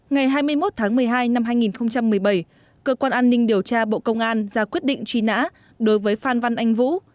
ngày hai mươi một tháng một mươi hai năm hai nghìn một mươi bảy cơ quan an ninh điều tra bộ công an ra quyết định truy nã đối với phan văn anh vũ